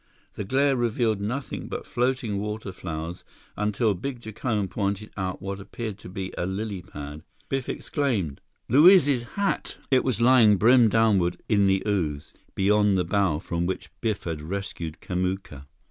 The glare revealed nothing but floating water flowers until big Jacome pointed out what appeared to be a lily pad. Biff exclaimed: "Luiz's hat!" It was lying brim downward in the ooze, beyond the bough from which Biff had rescued Kamuka.